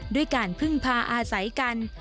ด้วยการพึ่งพาอาศัยกัน